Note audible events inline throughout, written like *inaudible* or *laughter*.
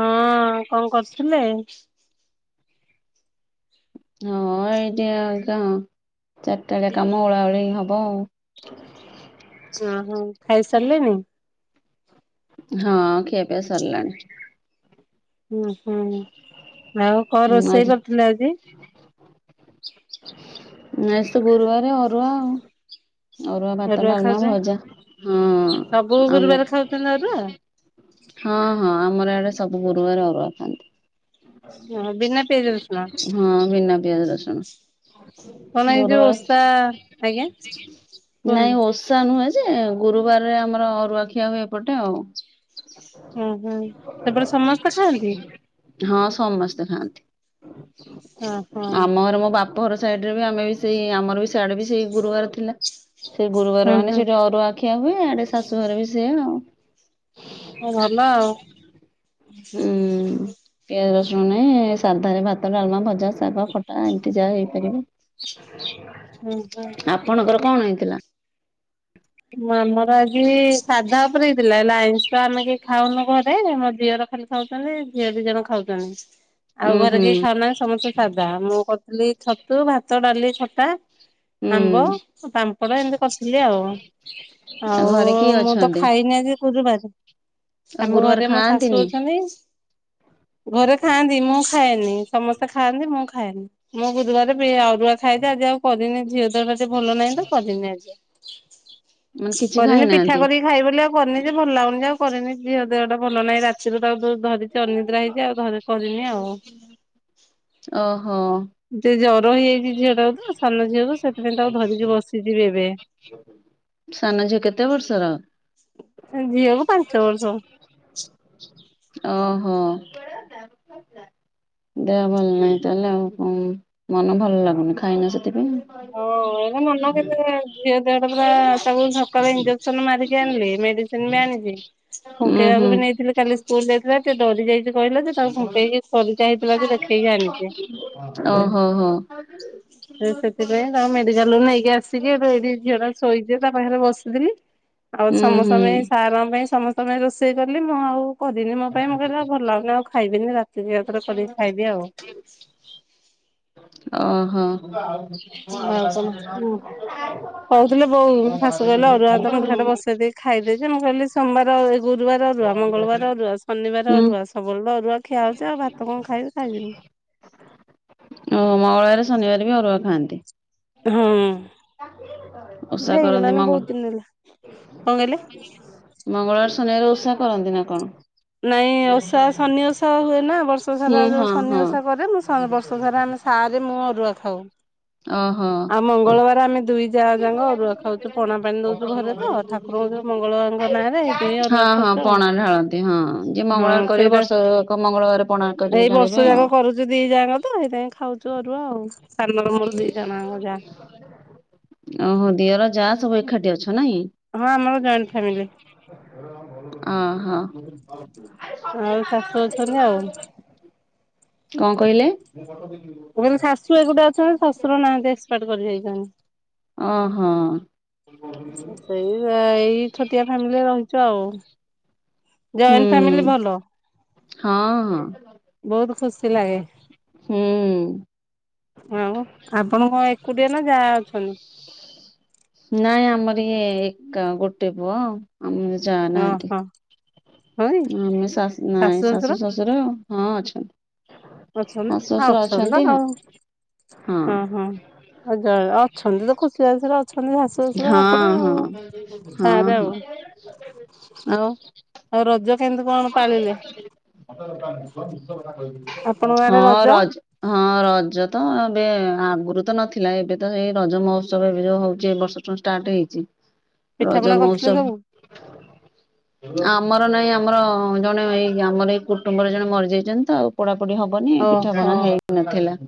ହଁ କଣ କରୁଥିଲେ? ହଁ ଏଇଠି ଆଉ କଣ ଚାରଟା ବେଳିଆ କାମ ଓଳାଓଳି ହବ ଆଉ। ଓହୋ ଖାଇସାରିଲେଣି? ହଁ ଖିଆପିଆ ସରିଲାଣି। ହୁଁ ହଁ ଆଉ କଣ ରୋଷେଇ ଆଜି କରିଥିଲେ ଆଜି? ହୁଁ ନା ଆଜି ତ ଗୁରୁବାରେ ଅରୁଆ ଆଉ। ଅରୁଆ ଭାତ ଡ଼ାଲମା ଭଜା ହଁ ଆମ ରା ହଁ ହଁ ଆମର ଇଆଡ଼େ ସବୁ ଗୁରୁବାର ଅରୁଆ ଖାଆନ୍ତି। ଅଁ ବିନା ପିଆଜ ରସୁଣ। ହଁ ବିନା ପିଆଜ ରସୁଣ। କଣ ଏଇ ଯୋଉ ଗୁରୁବାର ଓଷା ଆଜ୍ଞା କୁହନ୍ତୁ। ସା ନୁହେଁ ଯେ ଗୁରୁବାରରେ ଆମର ଅରୁଆ ଖିଆ ହୁଏ ଏପଟେ ଆଉ। ଉଁ ହୁଁ ସେପଟେ ସମସ୍ତେ ସାଆତି। ହଁ ସମସ୍ତେ ଓହୋ ଖାଆନ୍ତି ଆମଘରେ ମୋ ବା ପ ଘର ସାଇଡ଼ରେ ବି ଆମେ ବି ସେଇ ଆମର ବି ସିଆଡ଼େ ବି ସେଇ ଗୁରୁବାରେ ଥିଲା। ସେ ଗୁରୁବାରେ ହୁଁ ମାନେ ହୁଁ ସେଠି ଅରୁଆ ଖିଆ ହୁଏ ଆଡ଼େ ଶାଶୁଘରେ ବି ସେଆ ଆଉ। ଉଁ ଭଲ ଆଉ। ଉଁ। ପିଆଜ ରସୁଣ ନାଇ ସାଧାରେ ଭାତ ଡ଼ାଲମା ଭଜା ଶାଗ ଖଟା ଏମିତି ଯାହା ହେଇପାରିବ। ହୁଁ ହୁଁ। ଆପଣଙ୍କର କଣ ହେଇଥିଲା? ମାମର ଆଜି ସାଧା ଓପରେ ହେଇଥିଲା ଲ ଆଇଁଷ ଆମେ କେଇ ଖାଉନୁ ଘରେ ମୋ ଝିଅର ଖାଲି ଖାଉଛନ୍ତି ଝିଅ ଦି ଜଣ ଖାଉଛନ୍ତି। ଆଉ ଉଁ ଘରେ ହୁଁ କେଇ ଖାଉନା ସମସ୍ତେ ସାଧା ମୁଁ କରିଥିଲି ଛତୁ ଭାତ ଡ଼ାଲି ଖଟା। ଆମ୍ବ ହୁଁ ପାମ୍ପଡ଼ ଏମିତି କରିଥିଲି ଆଉ। ଆଉ ଘରେ କିଏ ମୁଁ ତ ଅଛନ୍ତି? ଖାଇନି ଆଜି ଗୁରୁବାରେ। ଆଉ ଆମ ଗୁରୁବାର ଘରେ ମୋ ଶାଶୁ ଖାଆନ୍ତିନି ଅଛନ୍ତି। ଘରେ ଖାଆନ୍ତି ମୁଁ ଖାଏନି ସମସ୍ତେ ଖାଆନ୍ତି ମୁଁ ଖାଏନି। ମୁଁ ଗୁରୁବାରେ ବି ଅରୁଆ ଖାଇଦେ ଆଜି ଆଉ କରିନି ଝିଅ ଦେହଟା ଭଲ ନାହିଁ ତ କରିନି ଆଜି। ମାନେ କିଛି କରିନି ପିଠା ଖାଇନାହାନ୍ତି କରିକି ଖାଇ ବୋଲି ଆଉ କରିନି ଯେ ଭଲ ଲାଗୁନି ଯେ ଆଉ କରିନି ଝିଅ ଦେହଟା ଭଲ ନାହିଁ ରା ଚିରେ ତ ତାକୁ ଦଉ ଧରିଛି ଅନିଦ୍ରା ହେଇଛି ଆଉ ଧ କରିନି ଆଉ। ଓହୋ। ଯେ ଜର ହେଇଯାଇଛି ଝିଅ ଟାକୁ ତ ସାନ ଝିଅକୁ ସେଥିପାଇଁ ତାକୁ ଧରିକି ବସିଯିବି ଏବେ। ସାନ ଝିଅ କେତେ ବର୍ଷର? ସା ଝିଅକୁ ପାଞ୍ଚ ବର୍ଷ। ଓହୋ। ଦେହ ଭଲ ନାହିଁ ତାହେଲେ ଆଉ କ ମନ ଭଲ ଲାଗୁନି ଖାଇନ ସେଥିପାଇଁ। ହଁ ଏରା ମନ କେତେ ଝିଅ ଦେହଟା ପୁରା ତାକୁ ସକାଳୁ ଇଞ୍ଜେକ୍ସନ ମାରିକି ଆଣିଲି ମେଡ଼ି ସିନ୍ ବି ଆଣିଛି ଉଁ ଫୁଙ୍କେଇବାକୁ ହୁଁ। ବି ନେଇଥିଲି କାଲି ସ୍କୁଲ ଯାଇଥିଲା ଟ ଡ଼ରି ଯାଇକି କହିଲା ଯେ। ତାକୁ ଫୁଙ୍କେଇକି ଖରିକା ହେଇଥିଲା ଯେ ଦେଖେଇକି ଆଣିଛି। ଓହୋ ହୋ। ସେଥିପାଇଁ ତାଙ୍କ ମେଡ଼ିକାଲରୁୁ ନେଇକି ଆସିକି ଏବେ ଏଇଠି ଝିଅଟା ଶୋଇଚି ଯେ ତା ପାଖରେ ବସିଥିଲି। ଆଉ ସମସ୍ତ ହୁଁ ପାଇଁ ସାରଙ୍କ ପାଇଁ ସମସ୍ତଙ୍କ ପାଇଁ ରୋଷେଇ କଲି ମୁଁ ଆଉ କରିନି ମୋ ପାଇଁ ମୋ କହିଲି ଆଉ ଭଲ ଲାଗୁନି ଆଉ ଖାଇବିନି ରାତିକି ଏକାଥରେ କରିକି ଖାଇବି ଆଉ। ଓହୋ। ଆଉ କଣ କୁହ? କହୁଥିଲେ ବୋଉ *unintelligible* ଖାଇବେ ଯେ ମୁ କହିଲି ସୋମବାର ଗୁରୁବାର ଅରୁଆ ମଙ୍ଗଳବାର ଅରୁଆ ଶନିବାର ଅରୁଆ ସବୁବେଳେ ଟେ ଅରୁଆ ଖିଆ ହଉଛି ଆଉ ଭାତ କଣ ଖାଇବି ଖାଇବିନି। ଓ ମଙ୍ଗଳବାର ଶନିବାର ବି ଅରୁଆ ଖାଆନ୍ତି। ହୁଁ। ଡ଼ାକିଲେ କେତେବେଳେ? ହେଇଗଲାନ ବହୁତ ଦିନରୁ, କଣ କହିଲେ? ମଙ୍ଗଳବାର ଶନିବାରେ ଓଷା କରନ୍ତି ନା କଣ? ନାଇଁ ଓଷା ଶନି ଓଷା ହୁଏନା ବର୍ଷ ହୁଁ ସାରା ହଁ ଯୋଉ ହଁ ଶନି ଓଷା କରେ ମୁଁ ସ ବର୍ଷ ସାରା ଆମେ ସା ରେ ମୁଁ ଅରୁଆ ଖାଉ। ଓହୋ। ଆଉ ମଙ୍ଗଳବାର ଆମେ ଦୁଇ ଯା ଯାଙ୍କ ଅରୁଆ ଖାଉଚୁ ପଣା ପାଣି ଦଉଚୁ ଘରେ ତ ଠାକୁରଙ୍କ ଯୋଉ ମଙ୍ଗଳାଙ୍କ ନାଁରେ ତେଇଆ ହଁ ହଁ ପଣା ଢାଳନ୍ତି। ଉଁ ହଁ ଯିଏ ହଁ ମଙ୍ଗଳବାର କରିବେ ସେଇଟା ବର୍ଷକ ମଙ୍ଗଳବାର ପଣା କରିକି ଢାଳିବେ ଆଉ। ଯୋଉ ଦି ଯାଆଙ୍କ ତ ହେଇଥିପାଇଁ ଖାଉଚୁ ଅରୁଆ ଆଉ ସାନର ମୋର ଦି ଜଣ ଯାଙ୍କ ଯା। ଓହୋ ଦିଅର ଯା ସବୁ ଏଖାଠି ଅଛ ନାଇଁ। ହଁ ଆମର ଜଏଣ୍ଟ ଫ୍ୟାମିଲି। ଓହୋ। ଆଉ *unintelligible* କଣ କହିଲେ ମୋର ଶାଶୁ ଏକୁଟିଆ ଅଛନ୍ତି ଶଶୁର ନାହାନ୍ତି ଏସ୍ ପାଟ୍ କରି ଯାଇଚନ୍ତି। ଓହୋ। ସେଇ ଏଇ ଛୋଟିଆ ଫ୍ୟାମିଲିରେ ରହିଚୁ ଆଉ। ଜଏଣ୍ଟ ଫ୍ୟାମିଲି ହୁଁ ଭଲ। ହଁ ହଁ। ବୋହୁତ ଖୁସି ଲାଗେ। ହୁଁ ଆଉ ଆପଣ କଁ ଏକୁଟିଆ ନା ଯା ଅଛନ୍ତି? ନାଇଁ ଆମର ଇଏ ଏକା ଗୋଟେ ପୁଅ ଆଉ। ଆମର ଯା ହଁ ନାହାନ୍ତି ହଁ ହଁ କି ଉଁ ଆମେ ଶାଶୁ ନାଇଁ ଶାଶୁ ଶଶୁ ଶୁର ହଁ ଅଛନ୍ତି। ଅଛନ୍ତି ଶାଶୁ ଆ ଶ୍ୱଶୁର ଅଛନ୍ତି ତ ହଁ। ଆଉ ଅଁ ହଁ। ଆଉ ଯାର ଅଛନ୍ତି ତ ଖୁସି ବାସିର ଅଛନ୍ତି ଶାଶୁ ଶଶୁର ଆପଣ ହଁ ହଁ ଆଉ ହଁ ହଁ *unintelligible* ଆଉ। ଆଉ ଆଉ ରଜ କେମତି କଣ ପାଳିଲେ? ଆପଣଙ୍କ ଆଡେ ହଁ ରଜ ରଜ୍ ହଁ ରଜ ତ ଏବେ ଆଗୁରୁ ତ ନଥିଲା ଏବେ ତ ସେଇ ରଜ ମହୋତ୍ସବ ଏବେ ଯୋଉ ହଉଚି ଏ ବର୍ଷ ରୁ ଷ୍ଟାଟେ ହେଇଚି। *unintelligible* ରଜ କରିଥିଲେ ସବୁ? ମହୋତ୍ସବ ଆମର ନାଇଁ ଆମ୍ ଆମର ଜଣେ ଏଇ ଆମର ଏଇ କୁଟୁମ୍ବରେ ଜଣେ ମରଯାଇଚନ୍ତି ତ ଆଉ ପୋଡାପୋଡିି ହବନି ପିଠା ଓହୋ ପଣା ହେଇ ନଥିଲା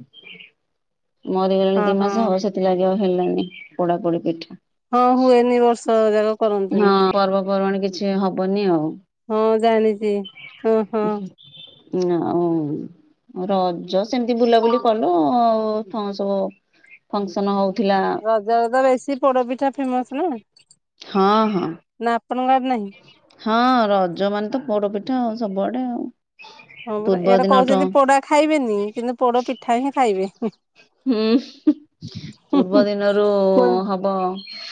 ମରିଗଲେଣି ହଁ ଦି ହଁ ମାସେ ହବ ସେ ଥିଲାଗି ଆଉ ହେଲାନି ପୋଡା ପୋଡି ପିଠା। ହଁ ହୁଏନି ବର୍ଷକ ଯାଗ। ହଁ ପର୍ବପର୍ବାଣୀ କିଛି ହବନି ଆଉ। ହଁ ଜାଣିଚି ହଁ ହଁ। ନାଇଁ। ମୁଁ ରଜ ସେମିତ ବୁଲାବୁଲି କଲ ଆଉ କଁ ସବୁ ଫଙ୍କସନ୍ ହଉଥିଲା। ରଜରେ ତ ବେଶୀ ପୋଡପିଠା ଫେମସ୍ ନା। ହଁ ହଁ। ନା ଆପଣଙ୍କ ଆଡ୍ ନାହିଁ। ହଁ ରଜ ମାନେ ତ ପୋଡପିଠା ଆଉ ସବୁଆଡେ ଆଉ। ହଁ ପରା ପୂର୍ବ ଇଆଡେ ଦିନଠୁ କହୁଚନ୍ତି ପୋଡା ଖାଇବେନି କିନ୍ତୁ ପୋଡ ପିଠା ହିଁ ଖାଇବେ ହୁଁ। ହୁଁ ହୁଁ ପୂର୍ବ ଦିନରୁ ହୁଁ ହବ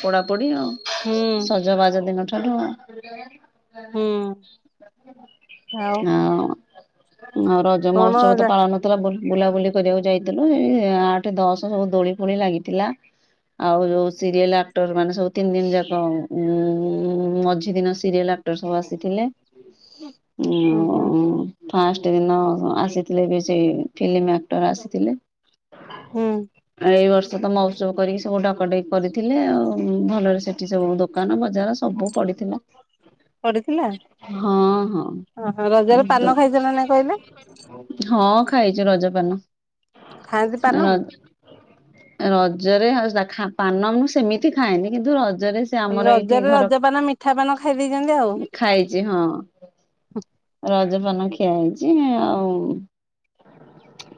ପୋଡାପୋଡି ଆଉ। ସଜବାଜ ଦିନ ଠାରୁୁ ଆଉ। ହୁଁ ଆଉ ନରଦ୍ ଜ କଣ ମହୋତ୍ସବ ତ ଯା ପାଳନ ହଉଥିଲା ବୁଲ୍ ବୁଲାବୁଲି କରିଆକୁ ଯାଇଥିଲେ ଏ ଏ ଆଠ ଦଶ ସବୁ ଦୋଳି ଫୋଳି ଲାଗିଥିଲା। ଆଉ ଯୋଉ ସିରିଏଲ୍ ଆକ୍ଟରମାନେ ସବୁ ତିନ ଦିନ ଯାକ ଉଁ ମଝି ଦିନ ସିରିଏଲ ଆକ୍ ଟର୍ ସବୁ ଆସିଥିଲେ। ହ *unintelligible* ଉଁ ଉଁ ଫାଷ୍ଟେ ଦିନ ଆସିଥିଲେ ବି ସେଇ ଫିଲିମି ଆକ୍ଟର ଆସିଥିଲେ। ହୁଁ। ଏଇ ବର୍ଷ ତ ମହୋତ୍ସବ କରିକି ସବୁ ଡାକ ଡେକ୍ କରିଥିଲେ ଆଉ। ଉ ଭଲରେ ସେଠି ସବୁ ଦୋକାନ ବଜାର ସବୁ ପଡିଥିଲା। ପଡିଥିଲା ହଁ ଓହୋ ରଜରେ ହଁ ପାନ ତ ଖାଇଛ ନା ନାଇଁ କହିଲେ? ହଁ ଖାଇଛ ରଜପାନ ଖାଆନ୍ତି ପାନ? ର ରଜରେ ଉ ପାନ ମୁଁ ସେମିତି ଖାଏନି କିନ୍ତୁ ରଜରେ ସେ ହେଲେ ଆମର ଏଇଠି ରଜରେ ଘର ରଜପାନ ମିଠା ପାନ ଖାଇଦେଇଛନ୍ତି ଆଉ। ଖାଇଛି ହଁ। ରଜପାନ ଖିଆ ହେଇଛି ଆଉ।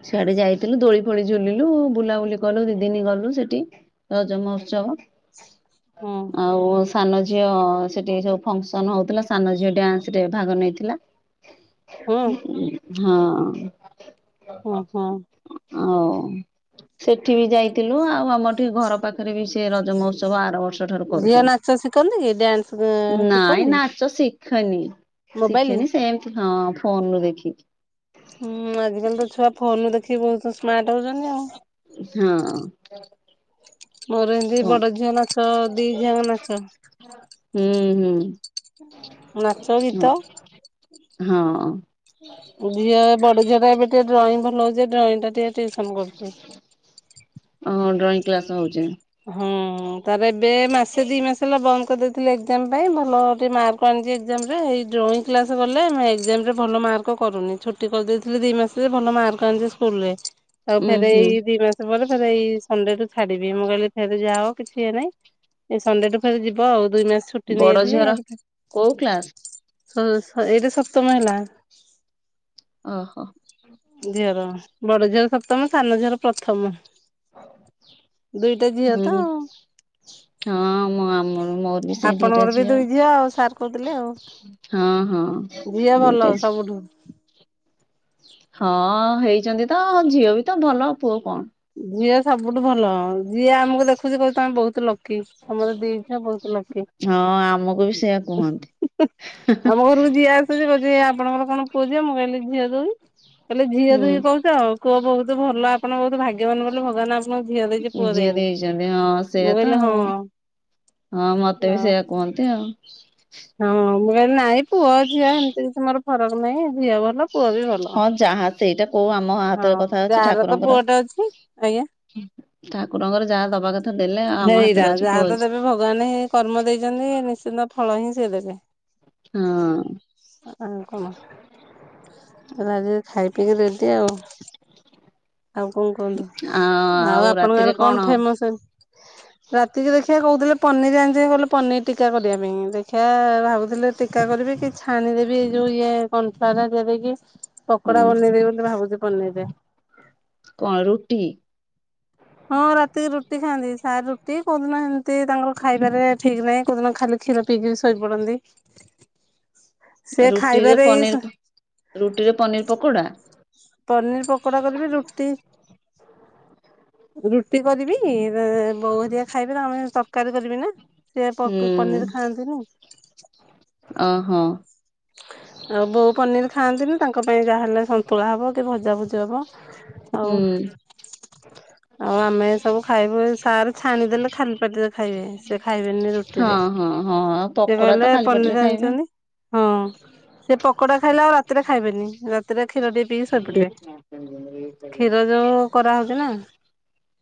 ସିଆଡେ ଯାଇଥିଲୁ ଦୋଳି ଦୋଳି ଝୁଲିଲୁ ବୁଲାବୁଲି କଲୁ ଦି ଦିନି ଗଲୁ ସେଠି ରଜ ମହୋତ୍ସବ ହୁଁ ଆଉ ସାନ ଝିଅ ସେଠି ସବୁ ଫଙ୍କସନ ହଉଥିଲା ସାନ ଝିଅ ଡ୍ୟାନ୍ସ ରେ ଭାଗ ନେଇଥିଲା। ହୁଁ ହଁ। ଓ ହୋ। ଆଉ ସେଠି ବି ଯାଇଥିଲୁ ଆଉ ଆମର ଏଠି ଘର ପାଖରେ ବି ସେ ରଜ ମହୋତ୍ସବ ଆର ବର୍ଷ ଠାରୁ ଝିଅ ନାଚ ଶିଖନ୍ତି କି ଡ୍ୟାନ୍ସ କରୁଛନ୍ତି ନାଇଁ ଶିଖନ୍ତି? ନାଚ ଶି ଖନି ମୋବାଇଲ ଶିଖେନି ସେମତି ହଁ ଫୋନରୁୁ ଦେଖିକି। ହଁ ଆଜିକାଲି ତ ଛୁଆ ଫୋନରୁ ଦେଖିକି ବହୁତ ସ୍ମାର୍ଟ ହଉଛନ୍ତି ଆଉ। ହଁ। ମୋର ଏମିତି ଫୋନ ବଡ ଝିଅ ନାଚ ଦି ଝିଅ ଆଙ୍କ ନାଚ ହୁଁ ହୁଁ। ନାଚ ହଁ ଗୀତ ହଁ ଝିଅ ଏ ବଡ ଝିଅ ଟା ଏବେ ଟିକେ ଡ୍ରଇଂ ଭଲ ହଉଛି ଡ୍ରଇଂ ଟା ଟିକେ ଟିଉସନ କରୁଛି। ଓ ଡ୍ରଇଂ କ୍ଲାସ ହଉଚି। ହଁ ତାର ଏବେ ମାସେ ଦି ମାସ ହେଲା ବନ୍ଦ କରିଦେଇଥିଲେ ଏକ୍ଜାମ ପାଇଁ ଭଲ ଟିକେ ମାର୍କ ଏକ୍ଜାମ ରେ ଏଇ ଡ୍ରଇଂ କ୍ଲାସ୍ ଗଲେ ଆମେ ଏକ୍ଜାମ ରେ ଭଲ ମାର୍କ କରୁନି ଛୁଟି କରିଦେଇଥିଲି ଦୁଇ ମାସ ଭଲ ମାର୍କ ଆଣିଛି ସ୍କୁଲ ରେ। ଆଉ ଉୁଁ ଫେରେ ହୁଁ ଏଇ ଦି ମାସ ପରେ ଫରେ ଏଇ ସଣ୍ଡେଟୁ ଛାଡିବି ମୁଁ କହିଲି ଫେରେ ଯାଅ କିଛି ଇଏ ନାଇଁ ଏଇ ସଣ୍ଡେ ଟୁ ଫେରେ ଯିବ ଆଉ ଦୁଇ ମାସ। ଛୁଟି ବଡ ନେଇଯାଇଥିଲି ଝିଅର କୋଉ କ୍ଲାସ? ଆ ଏଇଟା ସପ୍ତମ ହେଲା। ଓହୋ। ଝିଅର ବଡ ଝିଅର ସପ୍ତମ ସାନ ଝିଅର ପ୍ରଥମ। ଦୁଇଟା ଝିଅ ହୁଁ ତ ଆଉ ହଁ ମୁଁ ଆମର ମୋ ସେ ଦିଟା ଆପଣଙ୍କର ବି ଝିଅ ଦୁଇ ଆଉ ସାର୍ କହୁଥିଲେ ଆଉ ହଁ ହଁ ଝିଅ ଭଲ ଦୁଇଟା ଝିଅ। ସବୁଠୁ ହଁ ହେଇଛନ୍ତି ତ ଝିଅ ବି ତ ଭଲ ପୁଅ କଣ। ଝିଅ ସବୁଠୁ ଭଲ ଝିଅ ଆମକୁ ଦେଖୁଛି କହୁଚି ତମେ ବହୁତ ଲକି। ଆମର ଦିଝିଅ ବହୁତ ଲକି ହଁ ଆମକୁ ବି ସେଇଆ କୁହନ୍ତି। ଆମ ଘରକୁ ଯିଏ ଆ କୋହୁଛି କୋଛି ଆପଣଙ୍କର କଣ ପୁଅଝିଅ ମୁଁ କହିଲି ଝିଅ ଦୁଇ କହିଲେ ଝିଅ ଦୁଇ ହୁଁ କହୁଛ ଆଉ କୁହ ବହୁତ ଭଲ ଆପଣ ବହୁତ ଭାଗ୍ୟବାନ ବୋଲି ଭଗବାନ ଆପଣ ଝିଅ ଦେଇ ଦେଇଛନ୍ତି ହଁ ମୁଁ ସେଇଆ ତ କହିଲି ହଁ ଆଉ। ହଁ ମତେ ବି ଆଉ ସେଇଆ କୁହନ୍ତି ଆଉ। ହଁ ମୁଁ କହିଲି ନାଇଁ ପୁଅ ଝିଅ ଏମିତି କିଛି ମୋର ଫରକ ନାହିଁ ଝିଅ ଭଲ ପୁଅ ବି ଭଲ। ହଁ ଯାହା ସେଇଟା କୋହୁ ଆମ ହଁ ହାତରେ କଥା ଅଛି ଯାହାର ତ ଠାକୁରଙ୍କର ପୁଅଟେ ଅଛି ଆଜ୍ଞା ଠାକୁରଙ୍କର ଯାହା ଦବା କଥା ଦେଲେ ଆମ ହେଇରା ହାତରେ ଅଛି ଯାହା ପୁଅ ତ ଅଛି। ଦେବେ ଭଗବାନ ହେ କର୍ମ ଦେଇଛନ୍ତି ନିଶ୍ଚିନ୍ତ ଫଳ ହିଁ ସେ ଦେବେ। ହଁ। *unintelligible* ତାହଲେ ଆଜି ଖାଇ ପିଇକି ରେଡି ଆଉ? ଆଉ କଣ ଆ କୁହନ୍ତୁ ଆଉ ଆପଣଙ୍କ ଆଡ଼େ କଣ ଫେମସ? ରାତିକି ଦେଖିବା କହୁଥିଲେ ପନିର ଆଣିଚି କଲେ ପନିର ଟୀକା କରିବା ପାଇଁ ଦେ ଖିଆ ଭାବୁଥିଲି ଟୀକା କରିବି କି ଛାଣିଦେବି ଯୋଉ ଇଏ କର୍ଣାଫ୍ଲାୱର୍ ହେରିକା ଦେଇକି। ହୁଁ ପକୋଡ଼ା ବନେଇଦେବି ବୋଲି ଭାବୁଛି ପନିର ରେ। କଣ ରୁଟି? ହଁ ରାତିକି ରୁଟି ଖାଆନ୍ତି ସାର ରୁଟି କୋଉଦିନ ସେମତି ତାଙ୍କର ଖାଇବାରେ ଠିକ ନାହିଁ କୋଉଦିନ ଖାଲି କ୍ଷୀର ପିଇକି ବି ଶୋଇପଡ଼ନ୍ତି ସିଏ ରୁଟିରେ ଖାଇବାରେ ପନିର ଏଇସ ରୁଟିରେ ପନିର ପକୋଡ଼ା। ପନିର ପକୋଡ଼ା କରିବି ରୁଟି ରୁଟି କରିବି ବୋଉହୋରକା ଖାଇବେ ତାଙ୍କ ପାଇଁ ତରକାରୀ କରିବି ନା। ସେ ହୁଁ ପନିର ଖାଆନ୍ତିନି। ଓହୋ। ଆଉ ବୋଉ ପନିର ଖାଆନ୍ତି ନି ତାଙ୍କ ପାଇଁ ଯାହାହେଲେ ସନ୍ତୁଳା ହବ କି ଭଜା ଭୁଜି ହବ। ଆଉ ହୁଁ ଆଉ ଆମେ ସବୁ ଖାଇବୁ ସାର ଛାଣିଦେଲେ ଖାଲି ପାଟିରେ ଖାଇବେ ସେ ଖାଇବେନି ରୁଟିରେ। ଓହୋ ହଁ ଆଉ ସେ ପକୋଡ଼ା ତ ଖାଲି ପାଟିରେ ଖାଇବେ। ହ ସେ ପକୋଡ଼ା ଖାଇଲେ ଆଉ ରାତିରେ ଖାଇବେନି ରାତିରେ କ୍ଷୀର ଟିକେ ପିଇକି ଶୋଇପଡ଼ିବେ। କ୍ଷୀର ଯୋଉ କରାହଉଛି ନା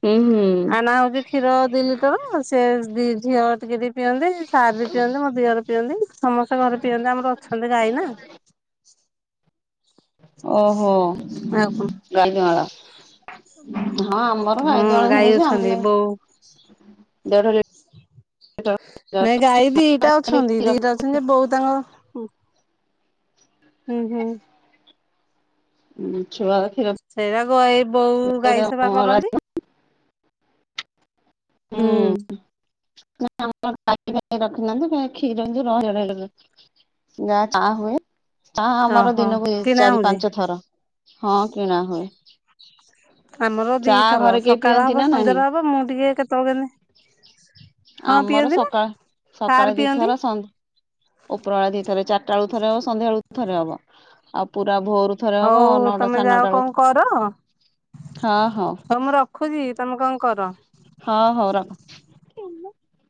ହୁଁ ହୁଁ ଅଣା ହଉଛି। କ୍ଷୀର ଦି ଲିଟର ସେ ବି ଝିଅ ଟିକେ ଟିକେ ପିଅନ୍ତି ସାର୍ ବି ପିଅନ୍ତି ମୋ ଦିଅରେ ପିଅନ୍ତି ସମସ୍ତେ ଘରେ ପିଅନ୍ତି ଆମର ଅଛନ୍ତି ଗାଈ ନା। ଓହୋ। ଆ କଣ? ଗାଈ ଦୁଆଁଳ ହଁ ଆମର ଗାଈ ହୁଁ ଗାଈ ଅଛନ୍ତି ବୋଉ ଦେଢ଼ ଲି ନାଇ ଗାଈ ଦିଟା ଅଛନ୍ତି କ୍ଷୀର ଦିଟା ଅଛନ୍ତି ଯେ ବୋଉ ତାଙ୍କ ହୁଁ ହୁଁ। ଉଁ ଛୁଆ କ୍ଷୀର ସେଇରାକ ଏଇ ବୋଉ ଗାଈ ସେବା କରନ୍ତି। ହୁଁ। ନା ଆମର ଗାଈ ଫାଇ ରଖିନାହାନ୍ତି *unintelligible* ଯାହା ଚାହା ହୁଏ ଚାହା ଆମର ଓହୋ ଦିନକୁ ହୁଏ କିଣା ଚାରି ହଉଛି ପାଞ୍ଚ ଥର। ହଁ କିଣା ହୁଏ। ଆମର ଦି ଚା ଥର ଘରେ କେହି ସକାଳ ପିଅନ୍ତି ହବ ନା ନାହିଁ ସନ୍ଧ୍ୟାରେ ହବ ମୁଁ ଟିକେ କେତେବେଳେ କେମତି ଆମର ସକାଳ ସାର୍ ସକାଳେ ପିଅନ୍ତି ଦିଥର ସନ୍ ଉପର ବେଳା ଦି ଥର ଏଇ ଚାରିଟା ବେଳୁ ଥରେ ହବ ସନ୍ଧ୍ୟା ବେଳୁ ଥରେ ହବ ଆଉ ପୁରା ଭୋରୁ ଥରେ ହବ ହଉ ନଅଟା ତମେ ସାଢ଼େ ଯାଅ ନଅଟା ବେଳକୁ କଣ କର ହଉ ମୁଁ ର ଖୁଚି ତମେ କଣ କର? ହଁ ହଉ ରଖ।